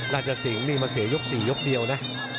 สิงห์นี่มาเสียยก๔ยกเดียวนะ